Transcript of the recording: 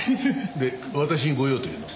で私にご用というのは？